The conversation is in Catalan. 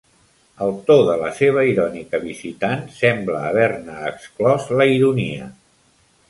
El to de la seva irònica visitant sembla haver-ne exclòs la ironia.